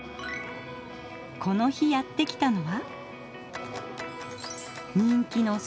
この日やって来たのは。